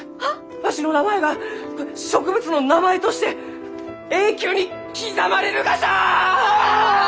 わしの名前が植物の名前として永久に刻まれるがじゃ！